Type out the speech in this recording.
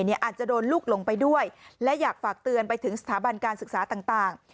อาจจะโดนลูกหลงไปด้วยและอยากฝากเตือนไปถึงสถาบันการศึกษาต่าง